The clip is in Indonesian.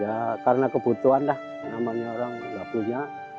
ya karena kebutuhan lah namanya orang nggak punya